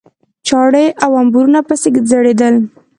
چاړې او امبورونه پسې ځړېدل.